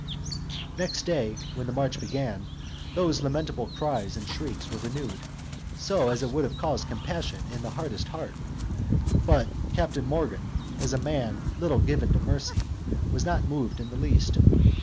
Next day, when the march began, those lamentable cries and shrieks were renewed, so as it would have caused compassion in the hardest heart: but Captain Morgan, as a man little given to mercy, was not moved in the least.